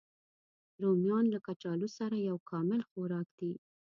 رومیان له کچالو سره یو کامل خوراک دی